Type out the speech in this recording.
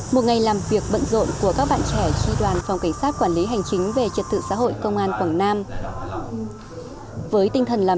một ngày làm việc bận rộn của các bạn trẻ tri đoàn phòng cảnh sát quản lý hành chính về trật tự xã hội công an quảng nam